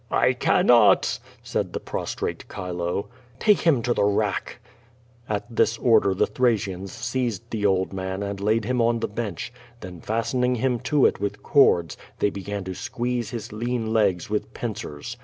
"I cannot," said the prostrate Chilo. QUO VADia. 461 "Take him to the rack/' At this order the Thracians seized the old man and laid him on the bench, then, fastening him to it with cords, they began to squeeze his lean legs with pincers.